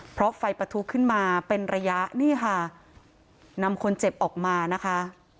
เพราะไฟประทุขึ้นมาเป็นระยะนี่ค่ะนำคนเจ็บออกมานะคะ